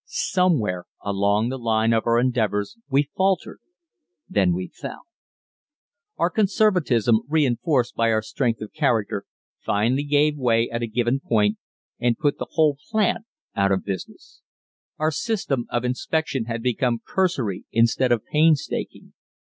Somewhere along the line of our endeavors we faltered then we fell. Our conservatism reinforced by our strength of character finally gave way at a given point and put the whole plant out of business. Our system of inspection had become cursory instead of painstaking.